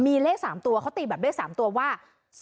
มีเลข๓ตัวเขาตีแบบเลข๓ตัวว่า